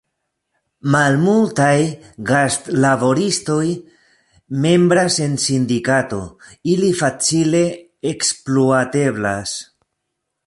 Malmultaj gastlaboristoj membras en sindikato; ili facile ekspluateblas.